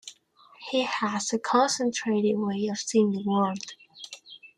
He has a concentrated way of seeing the world.